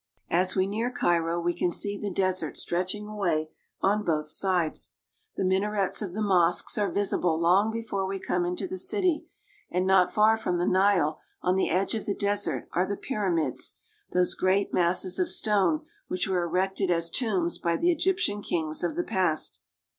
As we near Cairo we can see_ lb e_. desert stretching away on both sides. The minarets of the mosques are visible long before we come into the city, and not far from the Nile on the edge of the desert are the Pyramids, those great masses of stone which were erected as tombs by the Egyptian kings of the past.